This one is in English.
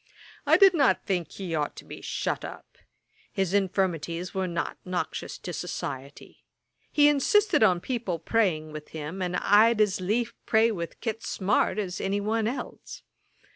I did not think he ought to be shut up. His infirmities were not noxious to society. He insisted on people praying with him; and I'd as lief pray with Kit Smart as any one else.